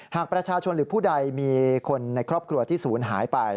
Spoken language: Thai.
หากประชาชนหรือผู้ใดมีคนในครอบครัวที่ศูนย์หายไป